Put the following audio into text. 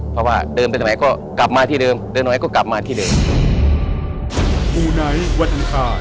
เพราะว่าเดินเต็มสมัยก็กลับมาที่เดินเดินหน่อยก็กลับมาที่เดิน